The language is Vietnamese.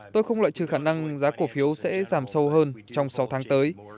tôi không lợi trừ khả năng giá cổ phiếu sẽ giảm sâu hơn trong sáu tháng tới